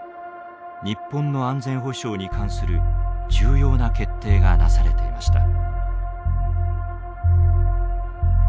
日本の安全保障に関する重要な決定がなされていました。